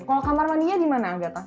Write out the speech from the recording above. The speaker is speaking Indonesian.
kalau kamar mandinya gimana anggata